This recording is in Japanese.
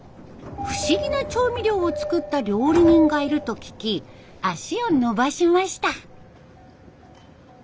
不思議な調味料を作った料理人がいると聞き足を延ばしました。